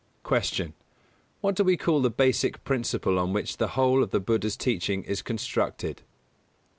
251. Q. _What do we call the basic principle on which the whole of the Buddha's teaching is constructed?